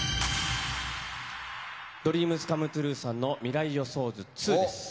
ＤＲＥＡＭＳＣＯＭＥＴＲＵＥさんの、未来予想図ＩＩです。